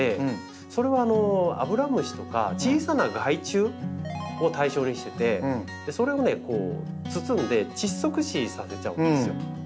それはアブラムシとか小さな害虫を対象にしててそれをね包んで窒息死させちゃうんですよ。